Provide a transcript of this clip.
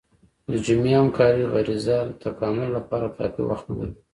د جمعي همکارۍ غریزه د تکامل لپاره کافي وخت نه درلود.